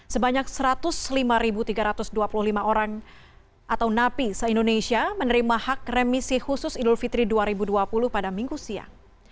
sebanyak satu ratus lima tiga ratus dua puluh lima orang atau napi se indonesia menerima hak remisi khusus idul fitri dua ribu dua puluh pada minggu siang